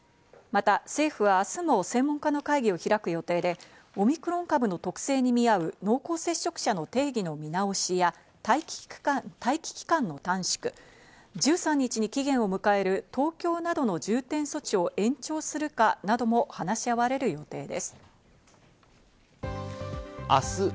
また政府は明日も専門家の会議を開く予定で、オミクロン株の特性に見合う濃厚接触者の定義の見直しや、待機期間の短縮、１３日に期限を迎える東京などの重点措置を延長するかなども話し合われる予定です。